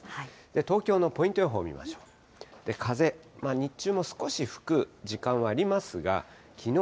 東京のポイント予報見ましょう。